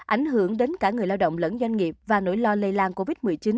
ảnh hưởng đến cả người lao động lẫn doanh nghiệp và nỗi lo lây lan covid một mươi chín